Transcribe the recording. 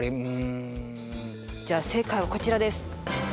じゃあ正解はこちらです。